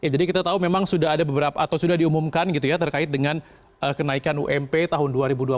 jadi kita tahu memang sudah ada beberapa atau sudah diumumkan gitu ya terkait dengan kenaikan ump tahun dua ribu dua puluh satu